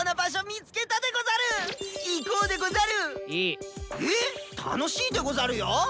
ええっ楽しいでござるよ。